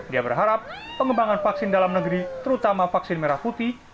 dia berharap pengembangan vaksin dalam negeri terutama vaksin merah putih